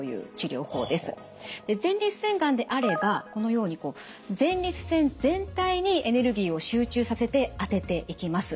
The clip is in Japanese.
前立腺がんであればこのように前立腺全体にエネルギーを集中させて当てていきます。